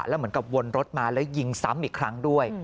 แล้วเหมือนกับวนรถมาแล้วยิงซ้ำอีกครั้งด้วย